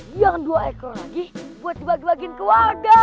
yang dua ekor lagi buat dibagi bagiin keluarga